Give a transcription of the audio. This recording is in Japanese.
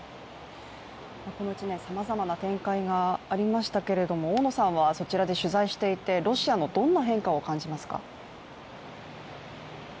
この１年、さまざまな展開がありましたけれども、大野さんはそちらで取材していてロシアのどんな変化を感じますか？